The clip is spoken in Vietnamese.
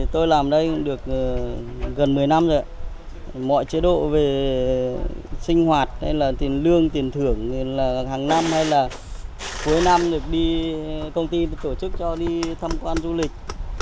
tôi làm đây được gần một mươi năm rồi mọi chế độ về sinh hoạt hay là tiền lương tiền thưởng là hàng năm hay là cuối năm thì đi công ty tổ chức cho đi thăm quan du lịch